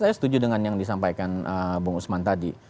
saya setuju dengan yang disampaikan bung usman tadi